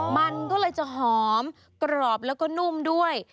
มันก็เลยจะหอมกรอบแล้วก็นุ่มด้วย